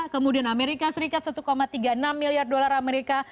kemudian amerika serikat satu tiga puluh enam miliar dolar amerika